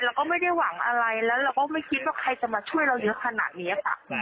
เราก็ไม่ได้หวังอะไรแล้วเราก็ไม่คิดว่าใครจะมาช่วยเราเยอะขนาดนี้ค่ะ